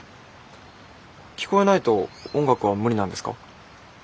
聞こえないと音楽は無理なんですか？